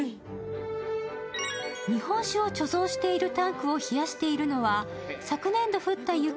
日本酒を貯蔵しているタンクを冷やしているのは昨年度降った雪